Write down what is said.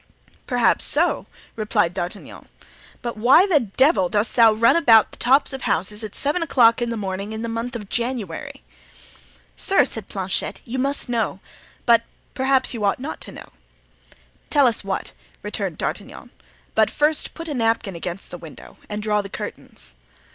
"Perhaps so," replied D'Artagnan. "But why the devil dost thou run about the tops of houses at seven o'clock of the morning in the month of January?" "Sir," said Planchet, "you must know; but, perhaps you ought not to know——" "Tell us what," returned D'Artagnan, "but first put a napkin against the window and draw the curtains."